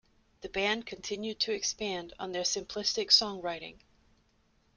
The band continued to expand on their simplistic songwriting.